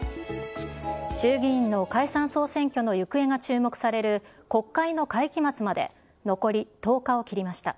衆議院の解散・総選挙の行方が注目される国会の会期末まで残り１０日を切りました。